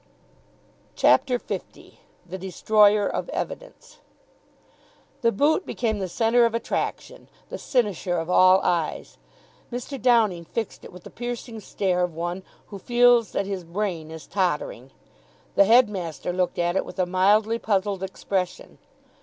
CHAPTER L THE DESTROYER OF EVIDENCE The boot became the centre of attraction, the cynosure of all eyes. Mr. Downing fixed it with the piercing stare of one who feels that his brain is tottering. The headmaster looked at it with a mildly puzzled expression.